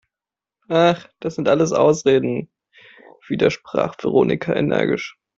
Ach, das sind alles Ausreden!, widersprach Veronika energisch.